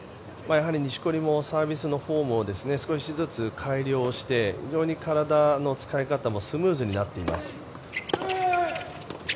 やはり錦織もサービスのフォームを少しずつ改良して非常に体の使い方もスムーズになっています。